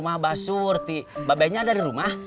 mau bilang di